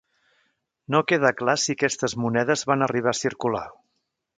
No queda clar si aquestes monedes van arribar a circular.